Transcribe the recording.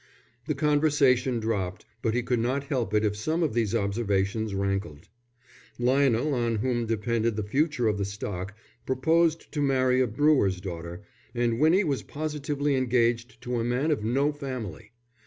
The conversation dropped, but he could not help it if some of these observations rankled. Lionel, on whom depended the future of the stock, proposed to marry a brewer's daughter, and Winnie was positively engaged to a man of no family.